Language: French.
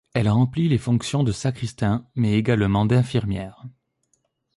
Elle remplit les fonctions de sacristain, mais également d'infirmière.